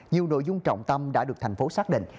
nhiều nội dung trọng tâm đã được thành phố xác định